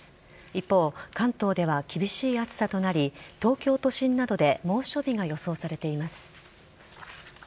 一方、関東では厳しい暑さとなり東京都心などで猛暑日が予想されています。